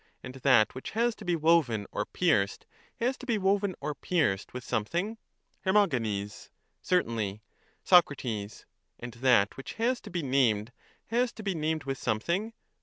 And that which has to be woven or pierced has to be woven or pierced with something? Her. Certainly. Soc. And that which has to be named has to be named with something?